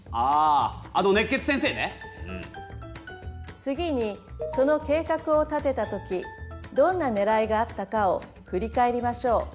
次にその計画を立てた時どんなねらいがあったかを振り返りましょう。